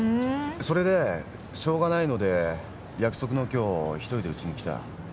それでしょうがないので約束の今日一人でウチに来た。